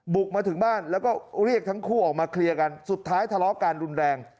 บุกมาถึงบ้านแล้วก็เรียกทั้งคู่ออกมาเคลียร์กันสุดท้ายทะเลาะการรุนแรง